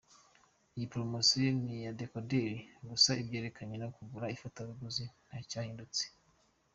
Iyi Promosiyo ni iya Dekoderi gusa ibyerekeranye no kugura ifatabuguzi ntacyahindutse.